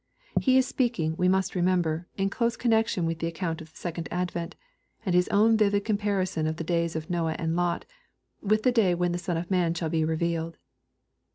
He is speaking, we must remember, in close connection with the account of the second advent, and His own vivid comparison of the days of Noah and Lot, with the day when the Son of man shall be re vealed.